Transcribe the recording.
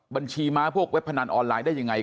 บัญชีม้าพวกเว็บพนันออนไลน์ได้ยังไง